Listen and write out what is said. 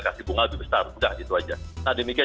kasih bunga lebih besar udah gitu aja nah demikian